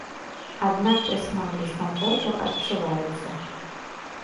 Аднак прысмак дыскамфорту адчуваецца.